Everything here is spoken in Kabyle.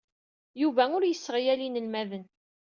Yuba ur yesseɣyal inelmaden.